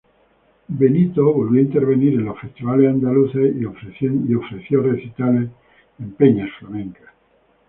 Benito, volvió a intervenir en los festivales andaluces y ofreciendo recitales en peñas flamencas.